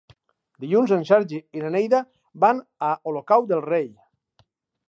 Dilluns en Sergi i na Neida van a Olocau del Rei.